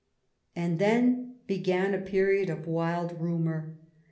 And then began a period of wild rumour.